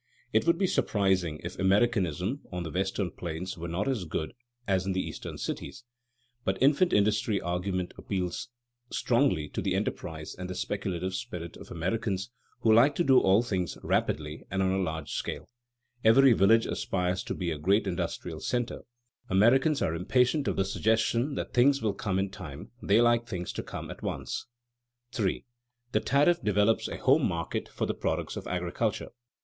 It would be surprising if Americanism on the Western plains were not as good as in the Eastern cities. But the infant industry argument appeals strongly to the enterprise and the speculative spirit of Americans, who like to do all things rapidly and on a large scale. Every village aspires to be a great industrial center. Americans are impatient of the suggestion that things "will come in time"; they like things to come at once. [Sidenote: The "home market" argument as to freights] 3. _The tariff develops a home market for the products of agriculture.